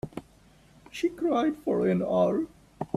She cried for an hour.